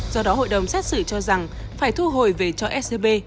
do đó hội đồng xét xử cho rằng phải thu hồi về cho scb